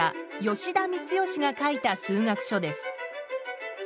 吉田光由が書いた数学書です。